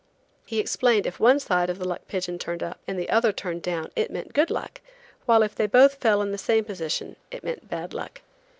He explained if one side of the luck pigeon turned up and the other turned down it meant good luck, while if they both fell in the same position it meant bad luck.